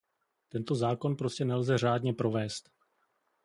Tento zákon prostě nelze řádně provést.